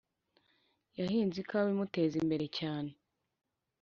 Yahinze ikawa imuteza imbere cyane